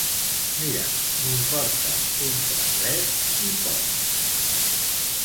Mira, m'importa entre res i poc.